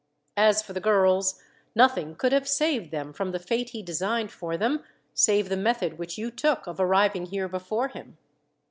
As for the girls, nothing could have saved them from the fate he designed for them, save the method which you took of arriving here before him."